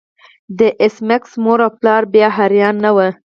د ایس میکس مور او پلار بیا حیران نه وو